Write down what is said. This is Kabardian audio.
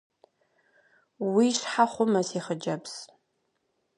Уи щхьэ хъумэ, си хъыджэбз.